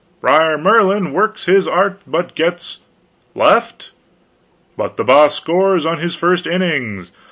BRER MERLIN WORKS HIS ARTS, BUT GETS LEFT? But the Boss scores on his first Innings!